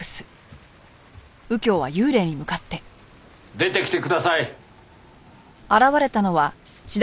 出てきてください。